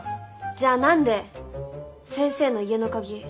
じゃあ何で先生の家の鍵